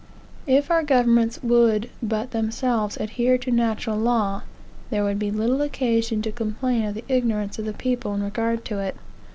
If our governments would but themselves adhere to natural law, there would be little occasion to complain of the ignorance of the people in regard to it.